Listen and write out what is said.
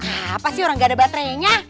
apa sih orang gak ada baterainya